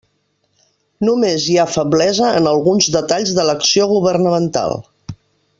Només hi ha feblesa en alguns detalls de l'acció governamental.